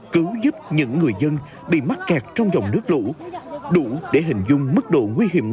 cứu giúp những người dân bị mắc kẹt trong dòng nước lũ đủ để hình dung mức độ nguy hiểm